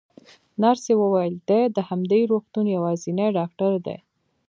نرسې وویل: دی د همدې روغتون یوازینی ډاکټر دی.